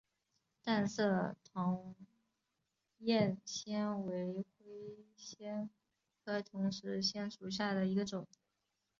淡色同叶藓为灰藓科同叶藓属下的一个种。